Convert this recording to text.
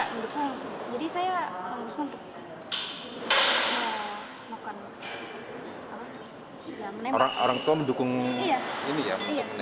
belum punya jadi semenjak kamu dua tahun apa namanya menekoni begini bukan punya